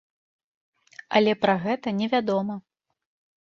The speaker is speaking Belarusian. Але пра гэта не вядома.